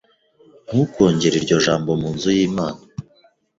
Ntukongere iryo jambo mu nzu y'Imana.